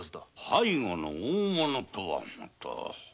背後の大物とはまた。